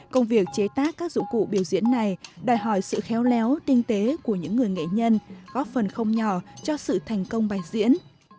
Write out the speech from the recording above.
công việc chế tác các dụng cụ biểu diễn này đòi hỏi sự khéo léo tinh tế của những người nghệ nhân góp phần không nhỏ cho sự thành công bài diễn